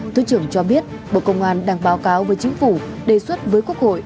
thứ trưởng cho biết bộ công an đang báo cáo với chính phủ đề xuất với quốc hội